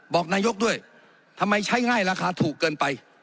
บอกนายกด้วยทำไมใช้ง่ายราคาถูกเกินไป